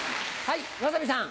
はい。